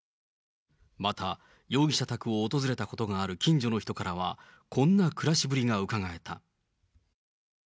また、容疑者宅を訪れたことがある近所の人からは、こんな暮らしぶりがうかがえた。